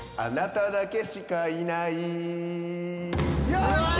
よっしゃ！